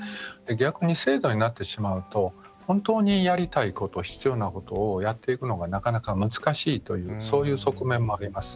逆に制度になってしまうと本当にやりたいこと必要なことをやっていくのが、なかなか難しいという側面もあります。